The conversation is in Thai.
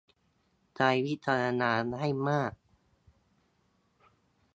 ใช้วิจารณญาณให้มาก